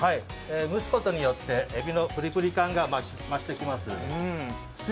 蒸すことによってエビのプリプリ感が増していきます。